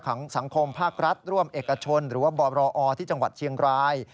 สังคมภาครัฐร่วมเอกชนหรือว่าบรอที่จังหวัดเชียงราย